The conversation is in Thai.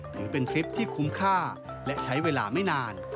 ถือเป็นทริปที่คุ้มค่าและใช้เวลาไม่นาน